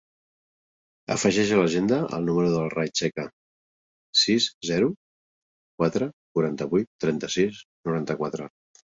Afegeix a l'agenda el número del Rai Checa: sis, zero, quatre, quaranta-vuit, trenta-sis, noranta-quatre.